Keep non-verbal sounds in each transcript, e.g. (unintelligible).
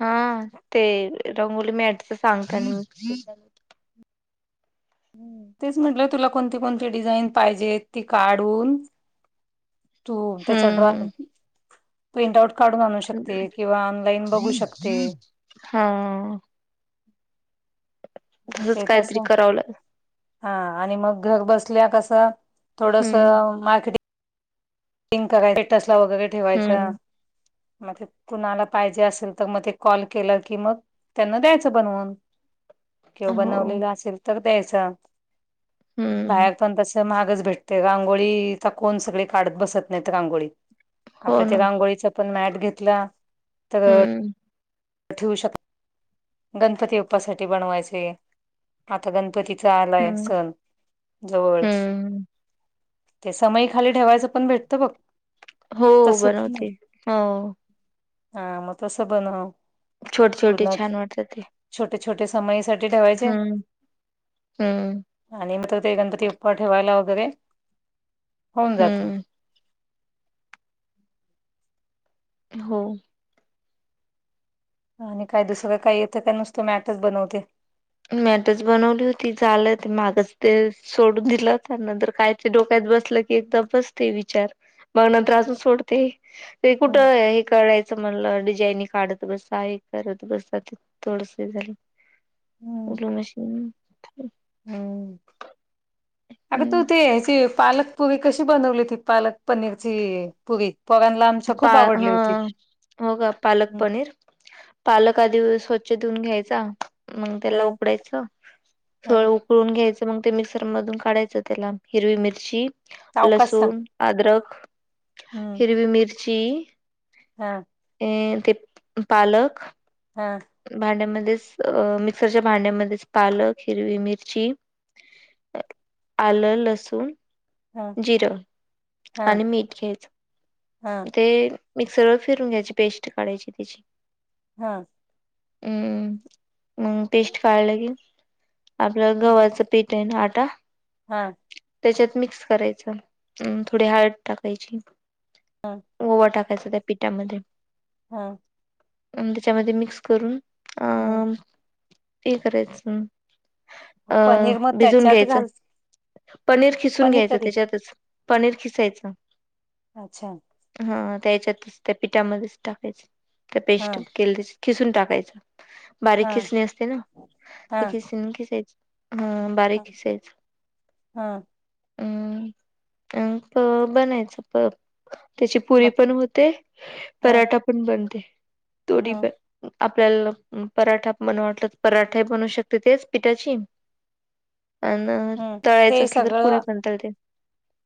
हा ते रंगोली मॅटच सांगता मी. तेच म्हटलं तुला कोणती कोणती डिझाईन पाहिजेत ती काढून. तू त्याचा ड्रॉ आहे हम्म क- प्रिंट आउट काढून आणू हम्म शकते, किंवा ऑनलाईन बघू शकते. हा, तसंच ते काहीतरी कसं करावं हा आणि मग घर बसल्या कसं थोडस हम्म मार्केटिंग- टिगं करायच स्टेटस ला वगैरे ठेवायचा. हम्म मग ते कुणाला पाहिजे असेल तर मग ते कॉल केलं की मग त्यांना द्यायचं बनवून. किंवा हो बनवलेलं असेल तर द्यायच हम्म बाहेर. पण तस महागच भेटते रांगोळी तर कोण संगळी काढत बसत नाही तर रांगोळी. हो आपल्या ना ते आंगोळीच पण मॅट घेतला तर. हम्म ठेवू शकतो गणपती बाप्पासाठी बनवायचे. आता गणपतीचा आलाय हम्म सण. जवळ, हम्म ते समय खाली ठेवायचं पण भेटतं बघ. हो तसं बनव बनवते हो. हा मग तसं बनव. छोट छोटे पूर्ण छान वाटतात ते. छोटे छोटे समयसाठी ठेवायचे. हम्म हम्म आणि म ते गणपती बप्पा ठेवायला वगैरे होऊन जात. हम्म हो आणि काय दुसरं काही येतं काय नुसतं मॅटच बनवते. मॅटच बनवली होती झालं ते मागच ते. सोडून दिलं होता नंतर काय ते डोक्यात बसलं की एकदा बसते विचार. मग नंतर सोडते ते हम्म कुठं हे करायचं म्हणलं डिझाईन काढत. बस साळी करत बसतात थोडस झाल्याव. हम्म उग नशी. अग तू ते अशी. पालक प- पुरी कशी बनवली होती पालक पनीरची प - पुरी पोरांना आमच्या पा खूप आवडली हा होती. हो का पालक पनीर पालक आधी स्वच्छ देऊन घ्यायचा मग ह त्याला उकडायचं थोडं. हं उकळून घ्यायचं मग ते मिक्सर मधून काढायचं त्याला हिरवी मिरची सावकाश सांग. लसूण अदरक हिरवी मिरची हा. अ ते पालक हा. भांड्यामध्येच अ मिक्सरच्या भांड्यामध्येच पालक हिरवी मिरची आलं लसूण हं जिरं हं आणि मीठ घ्यायचं. हं ते मिक्सर वर फिरून घ्यायची पेस्ट काढायची त्याची. हा. हम्म मग पेस्ट काढलं लागेल आपलं गव्हाचं पीठ. तेन आटा. हा. त्याच्यातं मिक्स करायचं अ - थोडी हाळद टाकायची. हां. ओवा टाकायचा त्या पिठामध्ये. हा. त्याच्यामध्ये मिक्स करून हं. (unintelligible) ते करायचं. अं पनीर मग भिजून त्याच्यात घ्यायचं घाल पनीर खिसून पनीर घ्यायचं कधी त्याच्यातचं. पनीर खिसायचं. अच्छा, हा त्या हच्यातच त्या पिठामध्येच टाकायच त्या पेस्ट हं केले त्याची. खिसून टाकायच बारीक हं खिसणी असते ना ते हं खिसणी- खिसायची ह. बारीक हं किसायचं. हं अम् अ प बनायचं पप त्याची पुरी मग पण होते. हं पराठा पण बनते दोन्ही हं पण आपल्याला पराठा वाटलं पराठा बनवू शकते तेचं पिठाची (unintelligible) अनं हं तळायचं ते असलं तर पुरी सगळं पण तळते.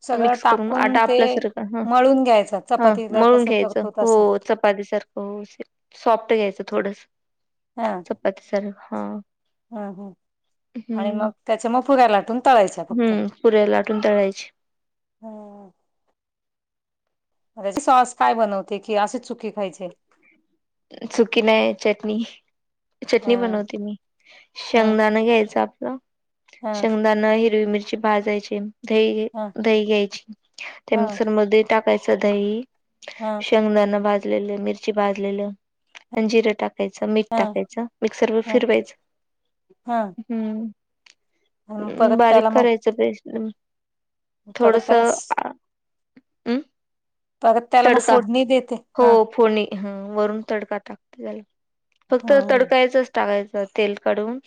सगळं मिक्स करून टाकून आटा ते आपल्यासारखा ह मळून घ्यायचा - हा चपातीला मळून कसं घ्यायचं करतो हो तसा चपाती सारखं सॉफ्ट घ्यायचं थोडसं. हा. चपाती सार हा. हम- हम आणि मग त्याच्या मग पुऱ्या लाटून तळायच्या फक्त हम पुऱ्या लाटून तळायची. हं सॉस काय बनवते कि असेच सुकी खायचे? सुकी नाहीय चटणी. चटणी हं बनवते मी हं शेंगदाणा घ्यायच आपलं हं शेंगदाणा हिरवी मिरची भाजायची दही हं - दही घ्यायची त्या हं मिक्सर मध्ये टाकायचं दही हा शेंगदाणा भाजलेलं मिरची भाजलेलं. आणि जिरं टाकायचं मीठ हा टाकायचं मिक्सर व हा फिरवायचं. हा आणि हम्म परत त्याला बारीक मग करायचं पेस्ट ह्, परत आलासं तडका देते हो हा फोडणी वरून तडका टाकं झालं. फक्त हम्म तडकायचं टाकायच तेल कढवून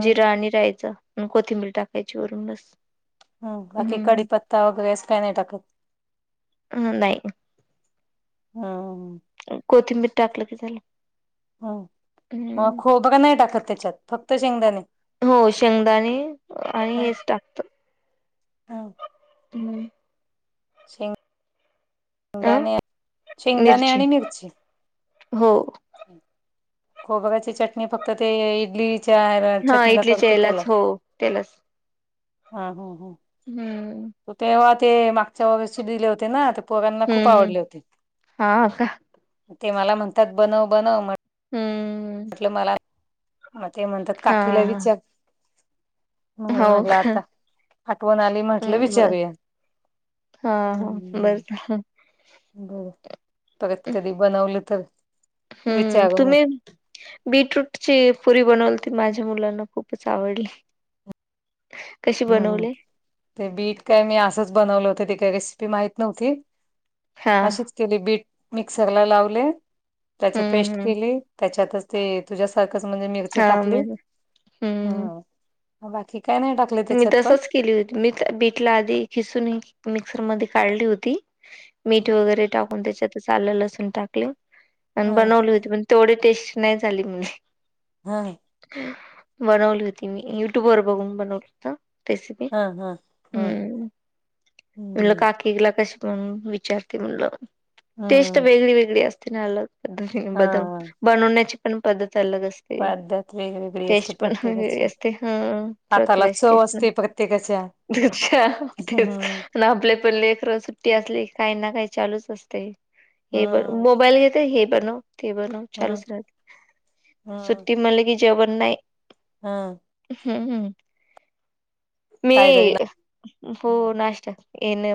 हम् जिर आणि राईचं कोथिंबीर टाकायची वरून बस, हम बाकी हम्म कडीपत्ता वगैरे असं काही नाही टाकत? नाही ह्अ कोथिंबीर टाकलं की झालं, मग हम्म खोबरं नाही टाकत त्याच्यात फक्त शेंगदाणे? हो शेंगदाणे आणि ह हेच टाकत, ह शेग दाणे अ शेंगदाणे शेंगदाणे आणि मिरची, हो. खोबऱ्याची चटणी फक्त ते इडली च्यार हा चटणीला इडलीच्या करतो त्याला यालाच हो त्यालाच हा हम्म हम्म हम्म मग तेव्हा ते मागच्या वर्षी दिले होते ना पोरांना खूप हम्म हम्म आवडले होते हा का ते मला म्हणतात बनव बनव, हम्म म्हटलं मला मग ते म्हणतात हा काकीला विचार, हा म्हणून हो म्हटलं का आता आठवण आली म्हटलं हम्म बर विचारूया. हा हा बर झालं. बघू परत कधी बनवलं तर. हम्म विचारून तुम्ही बीटरूट ची पुरी बनवली ती माझ्या मुलांना खूपच आवडली. कशी ह बनवली? ते बीट काय मी असंच बनवलं होत ते काय रेसिपी माहीत नव्हती हा अशीच केली बीट मिक्सरला लावले त्याची हम्म पेस्ट हम्म केली त्याच्यातच ते तुझ्यासारखंच म्हणजे मिरची हा टाकली मी हम्म बाकी काय नाही टाकले. मी त्याच्यात पण तसच केली होती मी बीटला आधी खिसून मिक्सरमध्ये काढली होती. मीठ वगैरे टाकून त्याच्यात आलं लसूण टाकले. ह आणि बनवली होती पण तेवढी टेस्ट नाही झाली म्हणली. हम्म बनवली होती मी युट्यूबवर बघून बनवली. रेसपी ह ह ह हम्म म्हणलं हम्म काकीला कशी म विचारते म्हणलं टेस्ट हम्म वेगळी वेगळी असते ना अलग. पद्धतीने बदल हा बनवण्याची पण पद्धत अलग अस ते पद्धत वेगवेगळी असते टेस्ट पण वेग वेगळी प्रत्येकाची असते हा हाताला प्रत्येकाशी. चव तेच असते प्रत्येकाच्या हम्म (inaudible) ना आपल्या पण लेकराला सुट्टी असली काही ना काही चालूच असते हे ब हम्म मोबाईल घेत ते हे बनव ते बनव हम्म चालूच राहते सुट्टी म्हणले की जेवण नाही. हा. हम् हम. कायतरी मी ना हो नाष्टा येणे.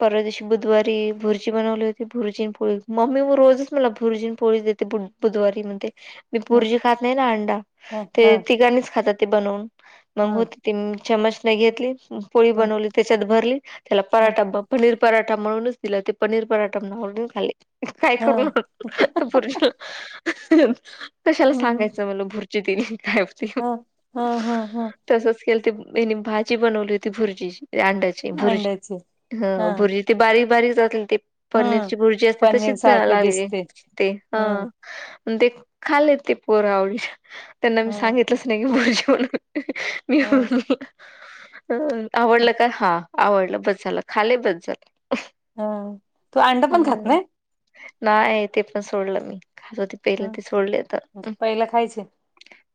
परवा दिवशी बुधवारी भुर्ची बनवली होती भुर्जी आणि पोळी मम्मी मग रोजच मला भुर्जीन पोळी देते. बुधवारी म्हणते मी ह भुर्जी खात नाही ना अंडा ह ते ह तिघाणीच खातात ते बनवून. ह मग होती ती चमच नाही घेतली, पोळी ह बनवलीत. त्याच्यात भरली, त्याला ह पराठा पनीर पराठा म्हणूनच दिला, ते पनीर पराठा म्हणूनच खाले. काय ह करून भुर्जीला कशाला हम्म सांगायचं म्हटलं भूर जी दिली, काय केलं ह ह ह ह तसच केल ते तेनी भाजी बनवली होती भुर्जीची, ते अंड्याची भुर्जी अंड्याची ह हा भुर्जी. ते बारीक, बारीक जातील ते हम्म पनीरची भुर्जी असते पनीर तशीच सारखे लागली दिसते ते ह. हम्म ते खाले ते पोर आवडीन त्यांना मी हम्म सांगितलंच भुर्जी म्हणून, मी हम्म म्हणलो आवडलं का? हा आवडलं बस झालं, खाले बस झालं. हम्म तू अंड पण खात हम्म. नाही नाय, ते पण सोडलं मी खात होते पहिले हम्म ते सोडले आता. पहिला खायचे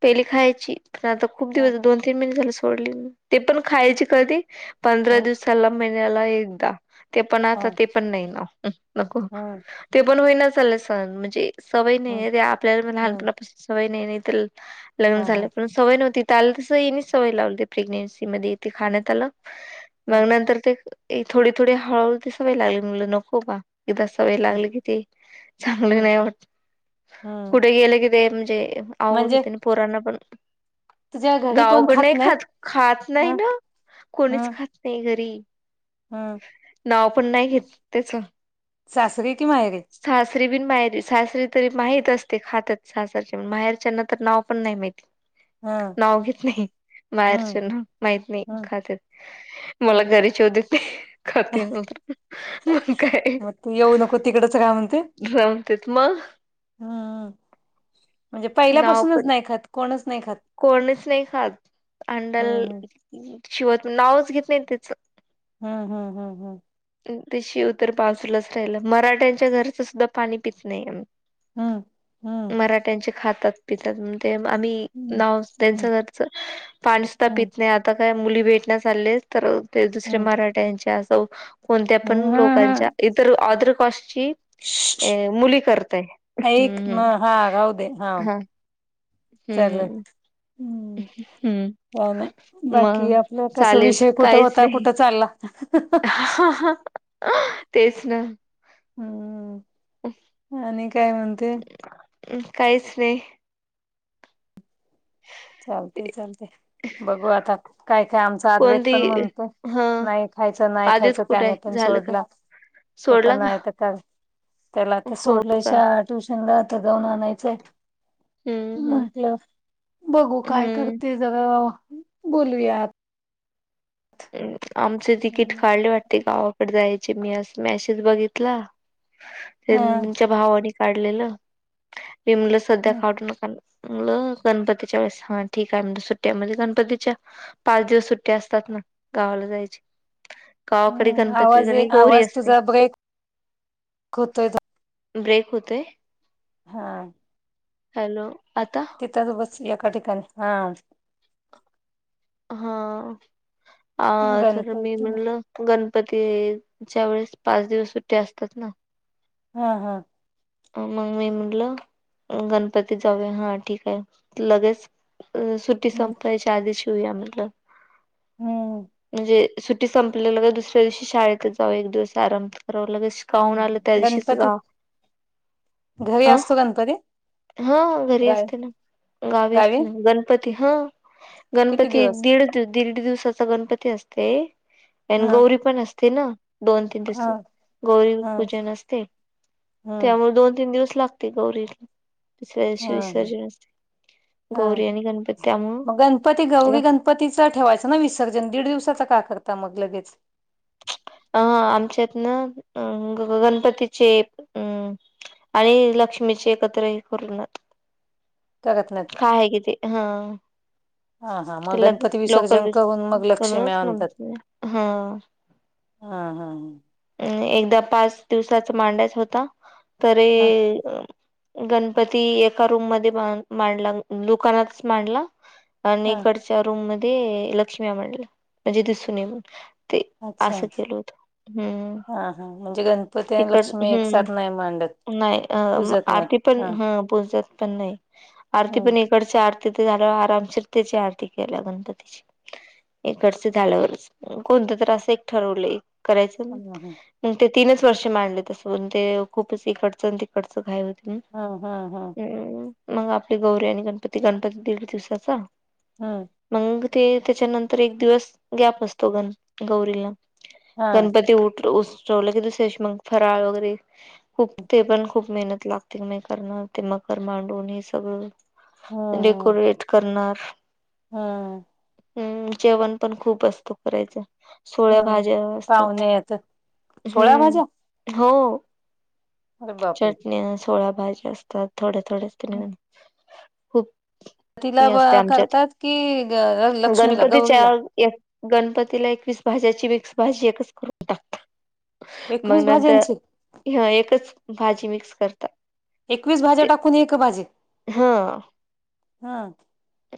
पहिली खायची, पण आता खूप हा दिवस दोन, तीन महिने झाले सोडली मी. ते पण खायचे कधी, पंधरा हा दिवसाला महिन्याला एकदा ते पण हा आता ते पण नाही ना, नको हम्म ते पण होईना झालं सहन म्हणजे सवय नाहीये, हम्म आहे ते आपल्याला हम्म लहानपणापासून सवय नाही, नाही तर लग्न हा झाल्या हा प सवय नव्हती, इथं आल तसं येणीच सवय लावली, प्रेग्नेन्सी मध्ये येते खाण्यात आलं. मग हम्म नंतर ते थोडी, थोडी हळूहळू ती सवय लागली, मी म्हणलं नको बा. एकदा सवय हम्म लागली कि, ती चांगली नाही वाटत. हम्म कुठे गेलं कि, ते म्हणजे आवड म्हणजे होते पोरांना पण. तुझ्या घरी कोण गावाकड नाही नाहीत खात, खात. हा नाही ना, हा कोणीच खात नाही घरी. हा. नाव पण नाही घेत, तेच. सासरीे की माहेरी? सासरी बिन माहेरी, सासरी तरी माहीत असते खातात सासरची, माहेरच्याना तर नाव पण नाही माहिती. हा नाव घेत नाही बाहेरच हम्म ना. माहित नाही हम्म खात्यात, मला हम्म घरी शिवा देते. खाते म्हणून, मग काय. मग तू येऊ नको तिकडचं काय म्हणते? जा मतेेत मग. ह, म्हणजे पहिल्यापासूनच नाही खात कोणच? नाही खात कोणच नाही खात. अंडल हम्म शिवत नावच घेत नाही त्याचं. हं, हं, हं, हं. ते शिवतर बाजूलाच राहीलं, मराठ्यांच्या घरचं सुद्धा पाणी पित नाही आम्ही. हं. मराठ्यांचे खातात, पितात मग ते आम्ही हम्म नाव त्यांचं हम्म घरचं, पाणी सुद्धा हम्म पित नाही आता काय मुली भेटना चाललेत. तर ते दुसरे हम्म मराठ्यांचे असं कोणत्या पण हम्म हम्म लोकांच्या, हम्म इतर आँदर कॉस्टची श्श्श. अ मुली करतय. ऐक ना हम्म, हा राहू दे हं हा. चालेल हम्म. हम्म, हम्म काय नाही. बाकी मग आपलं कस चालेल विषय कुठं काहीच होता नाही. कुठं चालला. (unintelligible) (unintelligible) तेच ना. हम्म आणि काय म्हणते? काहीच नाही. चालतंय चालतंय. बघू आता काय काय आमच अद्वेत कोणती पण म्हणतो हा नाय खायचं नाय आदित खायचं कुठे त्याने आहे पण झालं का सोडला तो पण सोडला का नाय त काय त्याला आता हो सोडलंय का शा ट्युशनला आता जाऊन आणायचंय. हम्म हम्म म्हटलं बघू काय हम्म करते जरा बोलूयात. आमचे तिकीट काढले वाटते गावा कड जायचे मी अस मेसेज बघितला. हा त्यानं म्हणंग तीच्या भावाने काढलेल मी म्हणलं सध्या ह काढू नका गणपतीच्या वेळेस हा ठीक आय म्हण सुट्ट्यामध्ये गणपतीच्या पाच दिवस सुट्टी असतात ना गावाला जायची. गावाकडे गणपती आवाज अन् गोहरी आवाज असते. तुझा ब्रेक होतोय ब्रेक होतय? हा हॅलो आता तिथंच बसली एका ठिकाणी हा. हा आ तर मी गणपतीला म्हणल गणपती च्या वेळेस पाच दिवस सुट्टी असत्यात ना. हा हा. मग मी म्हटलं गणपतीत जाऊया हा ठीक हाय लगेच अ सुट्टी हम्म संपायच्या आधी शिउया म्हटलं हम्म म्हणजे सुट्टी संपल्या लगेच दुसऱ्या दिवशी शाळेतच जाऊ एक दिवस आराम कराव लगेच पाहून आलोय त्या दिशीच गणपती गा घरी अ असतो गणपती हा घरी गाय असते ना गावी असते ना. णपती हा किती गणपती दिवस दीड दीड दिवसाचा गणपती असते. आणि हा गौरी पण असते ना दोन तीन दिस हा गौरी हा पूजन असते. हा त्यामुळ दोन तीन दिवस लागते गौरीलां. दुसऱ्या दिवशी हा विसर्जन असते हा गौरी आणि गणपती त्या मूळ नपतीच ठेवायचं ना विसर्जन दीड दिवसाच का करता मग लगेच? अ आमच्यात ना अ ग गणपतीचे अ आणि लक्ष्मीचे एकत्रही करूनात करत नायत. काय हाय की ते हा. हा हा मग त्याला गणपती विसर्जन लोकर करून मग लक्ष्मी आणतात (unintelligible) हा. हा हा. एकदा पाच दिवसाचा मांडायच होता तरी हा गणपती एका रूम मध्ये मांडला दुकानातच मांडला आणि हा इकड च्या रूम मध्ये लक्ष्मी मांडल म्हणजे दिसून नये म्हणून ते असं अच्छा केल होतं. हम्म हा हा म्हणजे गणपती आणि तिकड लक्ष्मी एक साथ नाही मांडत हम्म नाय अ म पूजत नाहीत आरती पण हा पूजत पण नाय आरती हम्म पण एक तिकडची आरती ते झाल्यावर आरामशीर तेची आरती केल्या गणपतीची. इकडच झाल्यावरच कोणत तर असं एक ठरवलं करायचं. हम्म मग ते तीनच वर्ष मांडल तसं पण ते खूपच इकडचं तिकडचं घाय होतय. हा हा हा. हम्म, मग आपली गौरी आणि गणपती गणपती दीड दिवसाचा. हा. मंग ते त्याच्यानंतर एक दिवस गॅप असतो गण गौरीला. हा गणपती उठ अस्त्वव लगे दुसऱ्या दिवशी मंग फराळ वगैरे. खूप ते पण खूप मेहनत लागते म करणार ते मकर मांडून हे हम्म सगळं डेकोरेट करणार हा. हम्म जेवण पण खूप असतो करायच सोळ्या हम्म भाज्या अस पाहुणे येतात सोळा हम्म भाज्या हो.. अरे बापरे चटणी सोळया भाज्या असतात थोड्या हम्म थोड्या खूप तिला हे असते आमच्यात करतात कि, लक्ष्मीला गणपतीच्या गौरीला. एक गणपतीला एकवीस भाज्याची मिक्स भाजी एकच करून टाकतं. म एकवीस नंतर भाज्यांची हं एकच भाजी मिक्स करता. एकवीस भाज्या टाकून एक भाजी हा हा.